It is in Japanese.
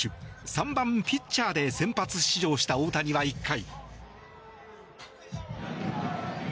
３番ピッチャーで先発出場した大谷は１回。